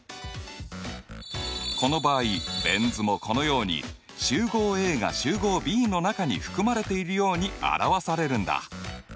この場合ベン図もこのように集合Ａが集合Ｂの中に含まれているように表されるんだ。